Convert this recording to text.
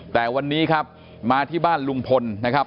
แต่วันนี้ครับมาที่บ้านลุงพลนะครับ